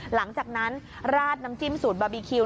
หลังจากนั้นราดน้ำจิ้มสูตรบาร์บีคิว